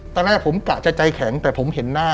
ตอนแรกผมเกลียดใจแข็งแต่ผมเห็นหน้า